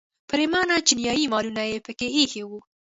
پریمانه چینایي مالونه یې په کې ایښي وو.